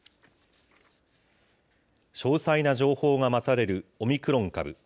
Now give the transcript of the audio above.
詳細な情報が待たれるオミクロン株。